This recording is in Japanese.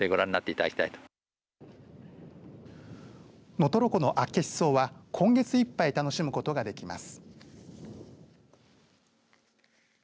能取湖のアッケシソウは今月いっぱい楽しむことができます。